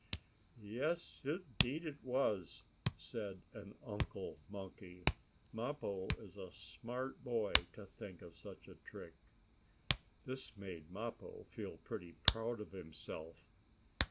"Yes, indeed it was," said an uncle monkey. "Mappo is a smart boy to think of such a trick." This made Mappo feel pretty proud of himself.